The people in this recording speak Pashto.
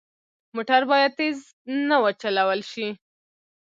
موټر باید تېز نه وچلول شي.